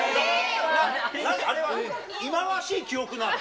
あれは、忌まわしい記憶なの？